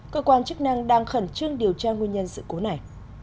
cơ quan chức năng đang khẩn trương điều tra nguyên nhân sự cố này